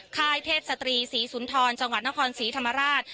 ค่ายเทพศตรีศรีสุนทรจังหวัดนครศรีธรรมราช